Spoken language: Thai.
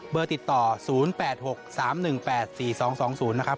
ติดต่อ๐๘๖๓๑๘๔๒๒๐นะครับ